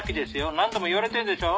何度も言われてんでしょう？